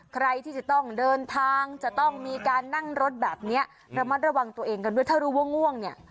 ใครที่จะต้องเดินทางจะต้องมีการนั่งรถแบบนี้ระมัดระวังตัวเองกันด้วยถ้ารู้ว่าง่วงเนี่ย